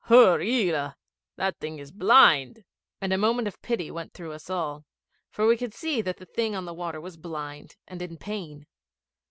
Hur illa! That thing is blind,' and a murmur of pity went through us all, for we could see that the thing on the water was blind and in pain.